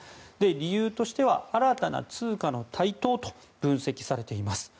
理由としては新たな通貨の台頭と分析されています。